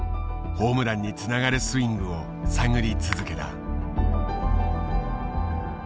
ホームランにつながるスイングを探り続けた。